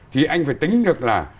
thì anh phải tính được là